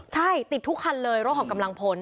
ใช่ติดทุกคันเลยรถของกำลังพล